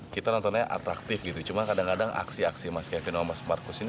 kita nontonnya atraktif gitu cuma kadang kadang aksi aksi mas kevin sama mas marcus ini